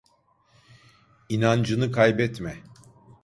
İnancını kaybetme.